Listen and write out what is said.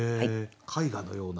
絵画のような。